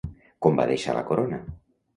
Com va deixar la corona?